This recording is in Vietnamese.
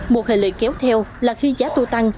một hệ lệ kéo theo là khi giá tour tăng